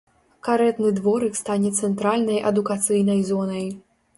Карэтны дворык стане цэнтральнай адукацыйнай зонай.